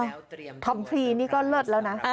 อ้าวท็อป๓นี่ก็เลิศแล้วนะ